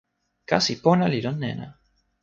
kasi pona li lon nena.